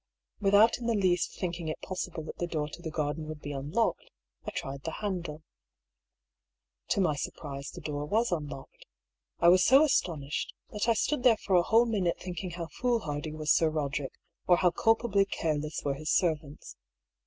Without in the least thinking it possible that the door to the garden would be unlocked, I tried the handle. To my surprise, the door was unlocked. I was so astonished, that I stood there for a whole minute think ing how foolhardy was Sir Eoderick, or how culpably careless were his servants.